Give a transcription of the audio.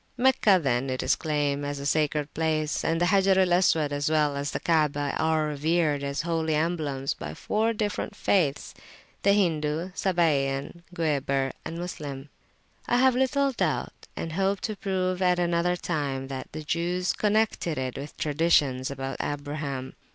Meccah, then, is claimed as a sacred place, and the Hajar al Aswad, as well as the Kaabah, are revered as holy emblems by four different faithsthe Hindu, Sabæan, Gueber, and Moslem. I have little doubt, and hope to prove at another time, that the Jews connected it with traditions about Abraham.